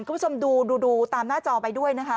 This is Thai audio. คุณผู้ชมดูตามหน้าจอไปด้วยนะคะ